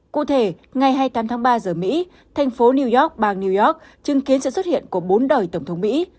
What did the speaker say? cụ thể ngày hai mươi tám tháng ba giờ mỹ thành phố new york bang new york chứng kiến sự xuất hiện của bốn đời tổng thống mỹ